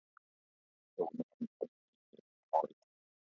Doner and Company near Detroit.